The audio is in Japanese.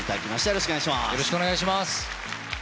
よろしくお願いします。